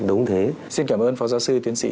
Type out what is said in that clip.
đúng thế xin cảm ơn phó giáo sư tiến sĩ